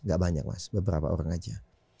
gak banyak mas beberapa orang aja